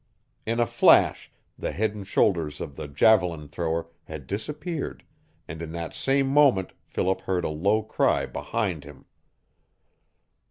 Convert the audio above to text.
In a flash the head and shoulders of the javelin thrower had disappeared, and in that same moment Philip heard a low cry behind him.